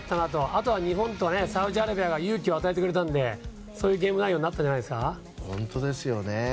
あとは日本とサウジアラビアが勇気を与えてくれたのでそういうゲーム内容になったんじゃないですか？